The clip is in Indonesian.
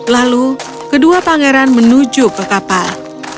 lalu kedua pangeran menuju ke kapal